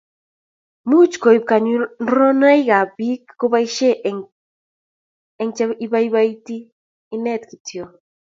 Much koip kanyorunoik ab piik kopoishe eng' che ibaibait inet kityo